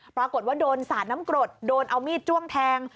ปรากฏว่าโดนสาดน้ำกรดโดนเอามีดจ้วงแทง